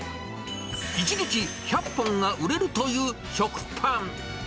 １日１００本が売れるという食パン。